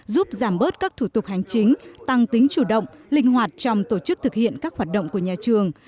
giúp giảm bớt các thủ tục hành chính tăng tính chủ động linh hoạt trong tổ chức thực hiện các hoạt động của nhà trường